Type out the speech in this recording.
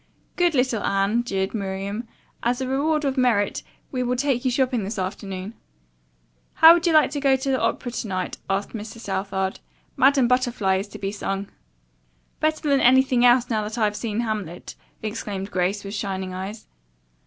"Good little Anne," jeered Miriam. "As a reward of merit we will take you shopping this afternoon." "How would you like to go to the opera to night?" asked Mr. Southard. "'Madame Butterfly' is to be sung." "Better than anything else, now that I've seen 'Hamlet'!" exclaimed Grace, with shining eyes.